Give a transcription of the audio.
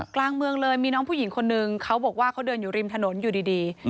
กลางเมืองเลยมีน้องผู้หญิงคนนึงเขาบอกว่าเขาเดินอยู่ริมถนนอยู่ดี